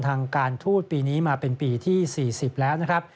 ทางการทูตปีนี้มาเป็นปีที่๔๐แล้วนะครับ